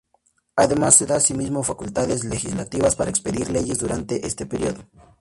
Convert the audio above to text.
Además se da a sí mismo facultades legislativas para expedir leyes durante este período.